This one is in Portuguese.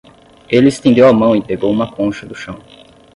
Ele estendeu a mão e pegou uma concha do chão.